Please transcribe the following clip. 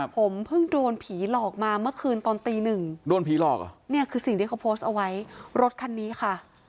ผมเพิ่งโดนผีหลอกมาเมื่อคืนตอนตี๑นี่คือสิ่งที่เขาโพสต์เอาไว้รถคันนี้ค่ะ